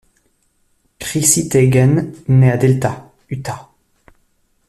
Chrissy Teigen naît à Delta, Utah.